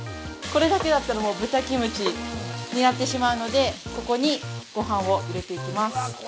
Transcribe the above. これだけだったら、もう豚キムチになってしまうので、ここに、ごはんを入れていきます。